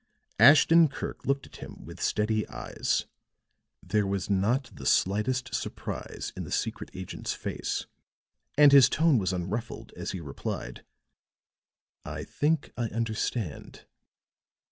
Ashton Kirk looked at him with steady eyes; there was not the slightest surprise in the secret agent's face, and his tone was unruffled as he replied: "I think I understand."